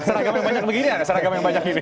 seragam yang banyak begini ada seragam yang banyak ini